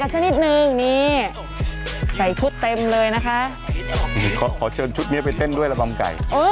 สักนิดนึงนี่ใส่ชุดเต็มเลยนะคะขอขอเชิญชุดนี้ไปเต้นด้วยระบำไก่